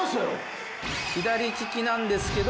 左利きなんですけど。